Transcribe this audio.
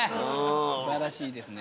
素晴らしいですね。